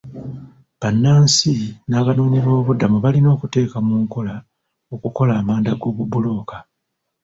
Bannansi n'abanoonyiboobubudamu balina okuteeka mu nkola okukola amanda g'obubulooka.